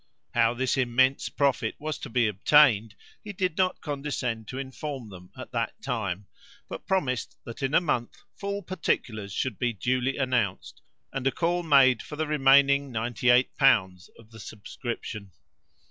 How this immense profit was to be obtained, he did not condescend to inform them at that time, but promised that in a month full particulars should be duly announced, and a call made for the remaining 98l. of the subscription.